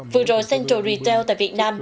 vừa rồi central retail tại việt nam